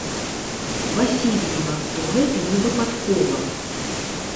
Васільева, то гэта не выпадкова.